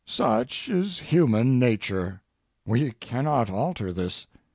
Such is human nature. We cannot alter this.